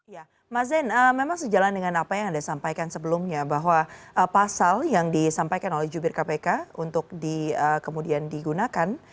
ya mas zain memang sejalan dengan apa yang anda sampaikan sebelumnya bahwa pasal yang disampaikan oleh jubir kpk untuk kemudian digunakan